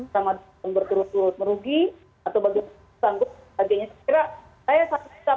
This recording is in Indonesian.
sama dengan berkerus kerus merugi atau bagi sanggup